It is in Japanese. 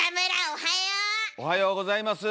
おはようございます。